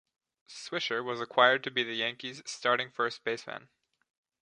Swisher was acquired to be the Yankees starting first baseman.